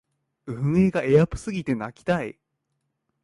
運営がエアプすぎて泣きたい